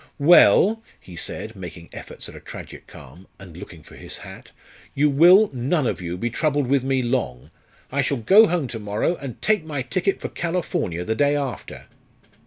"Well," he said, making efforts at a tragic calm, and looking for his hat, "you will, none of you, be troubled with me long. I shall go home to morrow, and take my ticket for California the day after."